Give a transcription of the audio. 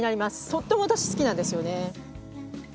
とっても私好きなんですよね。